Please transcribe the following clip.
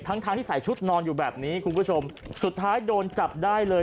ทั้งทั้งที่ใส่ชุดนอนอยู่แบบนี้คุณผู้ชมสุดท้ายโดนจับได้เลย